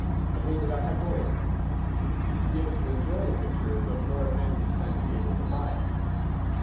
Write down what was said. I would that I had more of it. To be able to enjoy a picture is of more advantage than to be able to buy it.